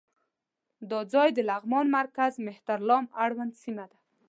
دا ځای د لغمان مرکز مهترلام اړوند سیمه ده.